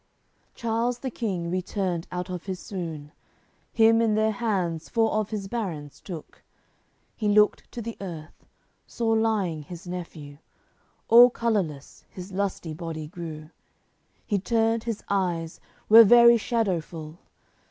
AOI. CCVII Charles the King returned out of his swoon. Him in their hands four of his barons took, He looked to the earth, saw lying his nephew; All colourless his lusty body grew, He turned his eyes, were very shadowful.